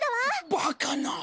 バカな。